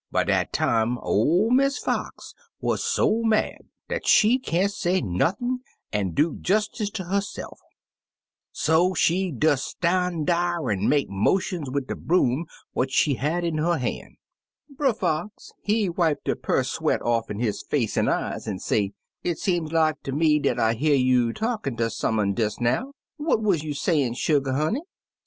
By dat time ol' Miss Fox wuz so mad dat she can't say nothin' an' do jestice ter her se'f, so she des stan' dar an' make motions wid de broom what she had in her ban'. *'Brer Fox, he wipe de persweat off'n his face an' eyes, an' say, ' It seem like ter me dat I hear you talkin' ter some un des now; what wuz you sayin', sugar honey?'